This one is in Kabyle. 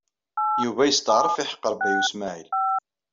Yuba yesṭeɛref iḥeqqeṛ Baya U Smaɛil.